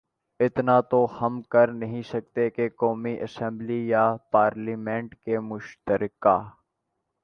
اتنا تو ہم کرنہیں سکتے کہ قومی اسمبلی یا پارلیمان کے مشترکہ